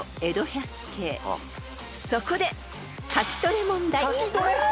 ［そこで］